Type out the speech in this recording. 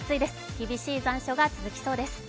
厳しい残暑が続きます。